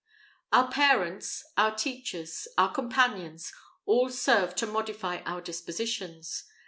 Our parents, our teachers, our companions, all serve to modify our dispositions.